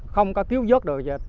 không có thiếu dốt được gì